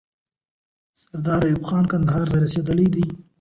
سردار ایوب خان کندهار ته رسیدلی دی.